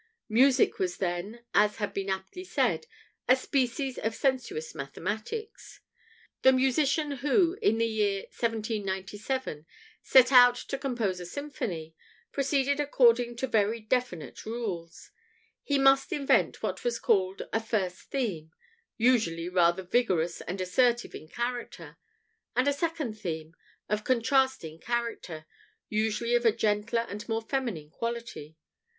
Music was then, as has been aptly said, a species of "sensuous mathematics." The musician who, in the year 1797, set out to compose a symphony, proceeded according to very definite rules. He must invent what was called a "first theme," usually rather vigorous and assertive in character, and a "second theme," of contrasting character usually of a gentler and more feminine quality.